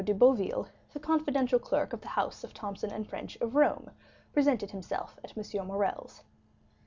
de Boville, the confidential clerk of the house of Thomson & French of Rome, presented himself at M. Morrel's.